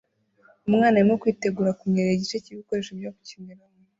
Umwana arimo kwitegura kunyerera igice cyibikoresho byo gukiniraho